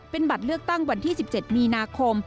เป็นบัตรเลือกตั้งวันที่๑๗มีนาคม